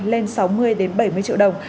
lên sáu mươi đến bảy mươi triệu đồng